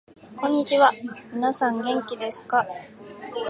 こんにちは、みなさん元気ですか？